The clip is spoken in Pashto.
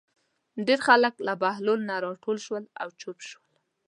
ډېر خلک له بهلول نه راټول شول او چوپ شول.